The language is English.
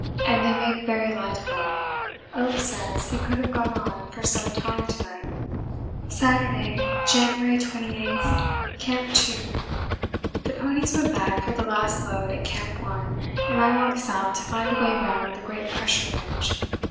and they make very light of them. Oates said he could have gone on for some time to night. Saturday, January 28. Camp 2. The ponies went back for the last load at Camp 1, and I walked south to find a way round the great pressure ridge.